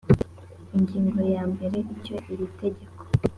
ingingo ya mbere icyo iri tegeko